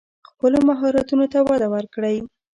خپلو مهارتونو ته وده ورکړئ.